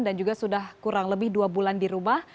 dan juga sudah kurang lebih dua bulan di rumah